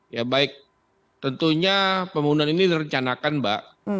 ya baik tentunya pembunuhan ini direncanakan mbak